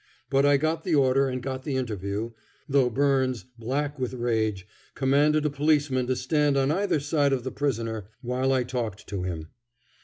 But I got the order and got the interview, though Byrnes, black with rage, commanded a policeman to stand on either side of the prisoner while I talked to him.